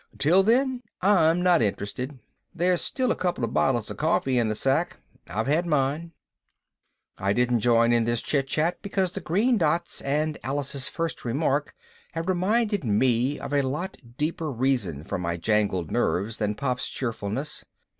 "Until then, I'm not interested. There's still a couple of bottles of coffee in the sack. I've had mine." I didn't join in this chit chat because the green dots and Alice's first remark had reminded me of a lot deeper reason for my jangled nerves than Pop's cheerfulness.